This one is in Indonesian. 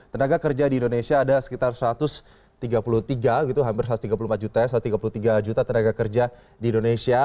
tenaga kerja di indonesia ada sekitar satu ratus tiga puluh tiga gitu hampir satu ratus tiga puluh empat juta satu ratus tiga puluh tiga juta tenaga kerja di indonesia